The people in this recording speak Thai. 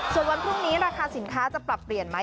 ส่วนวันพรุ่งนี้ราคาสินค้าจะปรับเปลี่ยนไหม